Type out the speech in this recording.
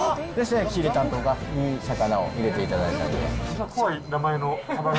仕入れ担当がいい魚を入れていただいたので。